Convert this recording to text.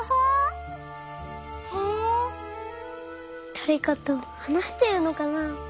だれかとはなしてるのかな？